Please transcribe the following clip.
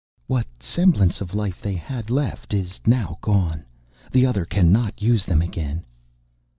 "What semblance of life they had left is now gone. The Other cannot use them again."